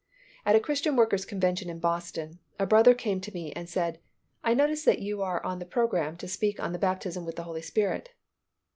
At a Christian workers' convention in Boston, a brother came to me and said, "I notice that you are on the program to speak on the Baptism with the Holy Spirit."